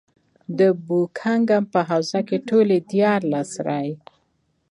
د بوکنګهم په حوزه کې ټولې دیارلس رایې.